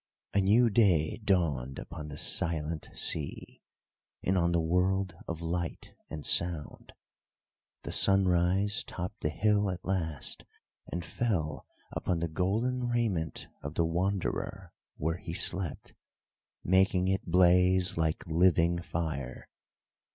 A new day dawned upon the silent sea, and on the world of light and sound. The sunrise topped the hill at last, and fell upon the golden raiment of the Wanderer where he slept, making it blaze like living fire.